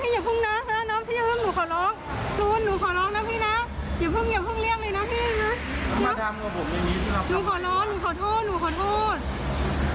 หนูขอร้อนหนูขอโทษหนูขอโทษ